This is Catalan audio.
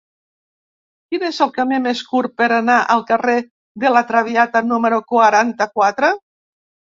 Quin és el camí més curt per anar al carrer de La Traviata número quaranta-quatre?